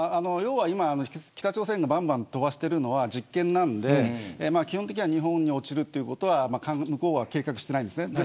今、北朝鮮がばんばん飛ばしているのは実験なので基本的には日本に落ちるということは向こうは計画してないんですね。